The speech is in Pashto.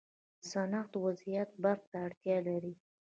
صنعت و زیات برق ته اړتیا لري.